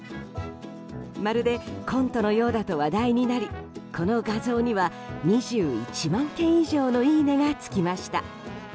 まるでコントのようだと話題になりこの画像には、２１万件以上のいいねがつきました。